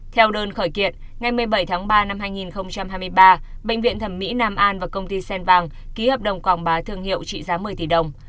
theo đơn khởi kiện ngày một mươi bảy tháng ba năm hai nghìn hai mươi ba bệnh viện thẩm mỹ nam an và công ty sen vàng ký hợp đồng quảng bá thương hiệu trị giá một mươi tỷ đồng